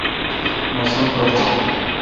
موسم کوتھ این۔